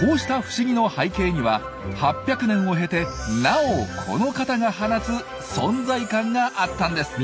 こうした不思議の背景には８００年を経てなおこの方が放つ存在感があったんです。